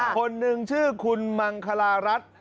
คนหนึ่งคุณมังคลารัช